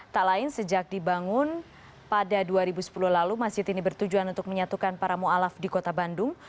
tak lain sejak dibangun pada dua ribu sepuluh lalu masjid ini bertujuan untuk menyatukan para ⁇ mualaf ⁇ di kota bandung